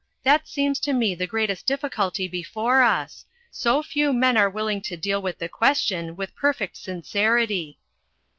That seems to me the greatest difficulty before us. So few men are willing to deal with the question with perfect sincerity."